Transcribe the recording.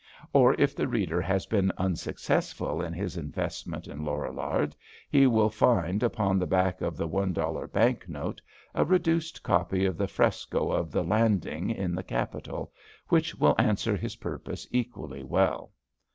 Or, if the reader has been unsuccessful in his investment in Lorillard, he will find upon the back of the one dollar bank note a reduced copy of the fresco of the "Landing" in the Capitol, which will answer his purpose equally well.